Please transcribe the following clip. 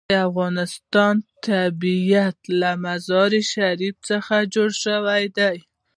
د افغانستان طبیعت له مزارشریف څخه جوړ شوی دی.